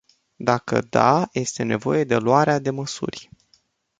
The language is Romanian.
Dacă da, este nevoie de luarea de măsuri.